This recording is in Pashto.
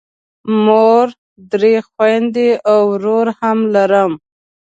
مور، درې خویندې او ورور هم لرم.